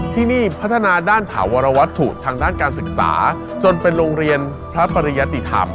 ที่นี่พัฒนาด้านถาวรวัตถุทางด้านการศึกษาจนเป็นโรงเรียนพระปริยติธรรม